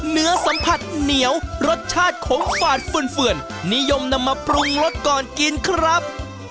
เนื้อสัมผัสเหนียวรสชาติของฝาดเฟือนนิยมนำมาปรุงรสก่อนกินครับ